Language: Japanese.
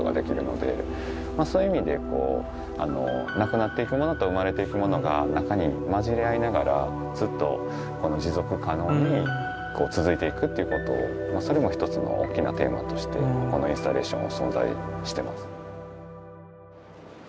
そういう意味でなくなっていくものと生まれていくものが中に混じり合いながらずっと持続可能に続いていくっていうことをそれも一つの大きなテーマとしてこのインスタレーションは存在してます。